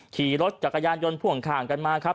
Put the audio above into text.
ขี่รถจักรยานยนต์พ่วงข้างกันมาครับ